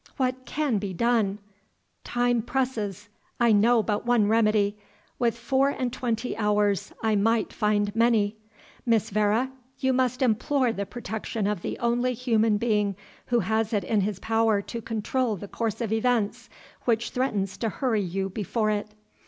What CAN be done? Time presses I know but one remedy with four and twenty hours I might find many Miss Vere, you must implore the protection of the only human being who has it in his power to control the course of events which threatens to hurry you before it."